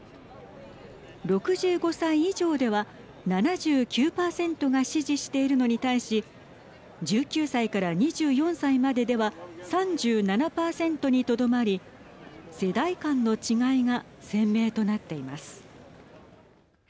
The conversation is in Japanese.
６５歳以上では７９％が支持しているのに対し１９歳から２４歳まででは３７％にとどまり世代間の違いが鮮明となっています。